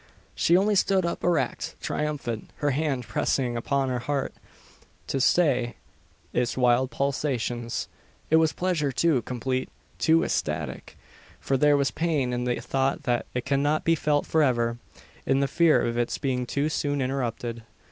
She only stood up erect triumphant; her hand pressing upon her heart, to stay its wild pulsations. It was pleasure too complete, too ecstatic: for there was pain in the thought that it cannot be felt for ever in the fear of its being too soon interrupted.